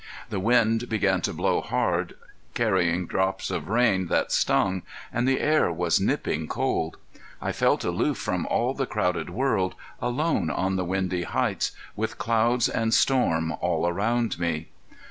The wind began to blow hard, carrying drops of rain that stung, and the air was nipping cold. I felt aloof from all the crowded world, alone on the windy heights, with clouds and storm all around me.